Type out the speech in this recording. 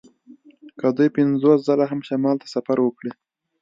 که دوی پنځوس ځله هم شمال ته سفر وکړي